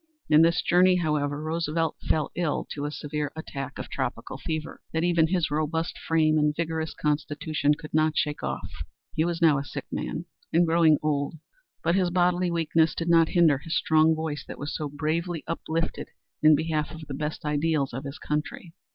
In this journey, however, Roosevelt fell ill to a severe attack of tropical fever that even his robust frame and vigorous constitution could not shake off. He was now a sick man and growing old, but his bodily weakness did not hinder his strong voice that was so bravely uplifted in behalf of the best ideals of his country.